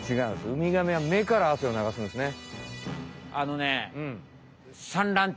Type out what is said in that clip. ウミガメは目から汗を流すんですね。